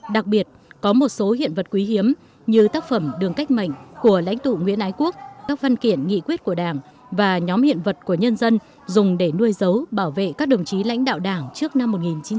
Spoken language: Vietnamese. đặc biệt có một số hiện vật quý hiếm như tác phẩm đường cách mệnh của lãnh tụ nguyễn ái quốc các văn kiện nghị quyết của đảng và nhóm hiện vật của nhân dân dùng để nuôi dấu bảo vệ các đồng chí lãnh đạo đảng trước năm một nghìn chín trăm bốn mươi năm